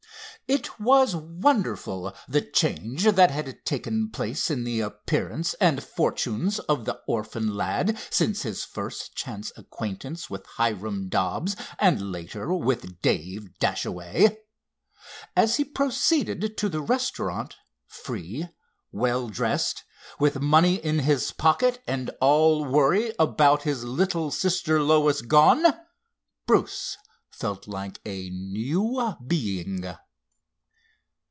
It was wonderful the change that had taken place in the appearance and fortunes of the orphan lad, since his first chance acquaintance with Hiram Dobbs, and later with Dave Dashaway. As he proceeded to the restaurant, free, well dressed, with money in his pocket and all worry about his little sister Lois gone, Bruce felt like a new being.